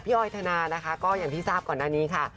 ออยธนานะคะก็อย่างที่ทราบก่อนหน้านี้ค่ะ